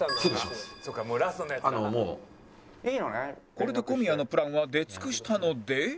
これで小宮のプランは出尽くしたので